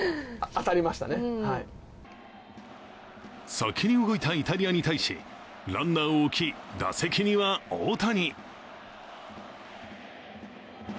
先に動いたイタリアに対し、ランナーを置き、打席には大谷。